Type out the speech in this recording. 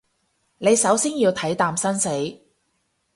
你首先要睇淡生死